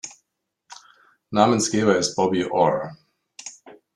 Namensgeber ist Bobby Orr.